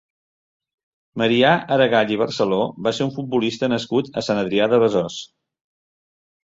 Marià Aragall i Barceló va ser un futbolista nascut a Sant Adrià de Besòs.